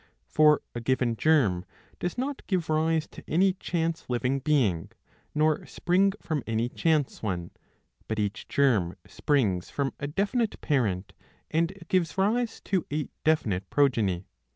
For a given germ does not give rise to any chance living being, nor spring from any chance one ; but each germ springs from a definite parent and gives rise to a definite progeny.